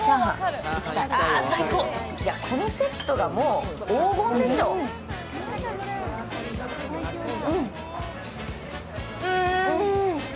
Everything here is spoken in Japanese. このセットがもう黄金でしょう。